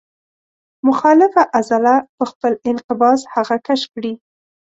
مخالفه عضله په خپل انقباض هغه کش کړي.